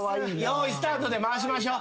用意スタートで回しましょう。